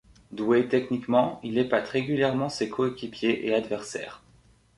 Doué techniquement, il épate régulièrement ses coéquipiers et adversaires.